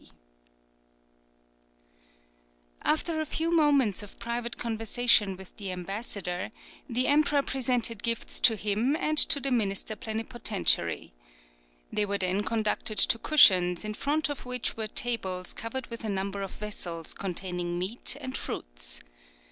After a few moments of private conversation with the ambassador, the emperor presented gifts to him and to the minister plenipotentiary. They were then conducted to cushions, in front of which were tables covered with a number of vessels containing meat and fruits.